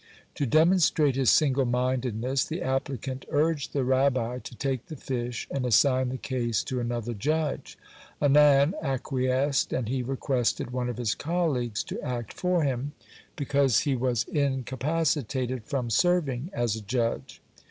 To demonstrate his single mindedness, the applicant urged the Rabbit to take the fish and assign the case to another judge. Anan acquiesced, and he requested one of his colleagues to act for him, because he was incapacitated from serving as a judge.